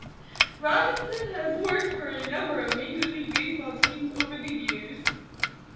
Robinson has worked for a number of Major League Baseball teams over the years.